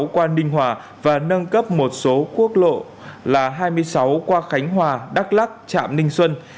quan ninh hòa và nâng cấp một số quốc lộ là hai mươi sáu qua khánh hòa đắk lắc trạm ninh xuân